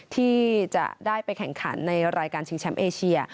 ที่จะได้ไปแข่งขันในรายการชิงแชมป์เอเชีย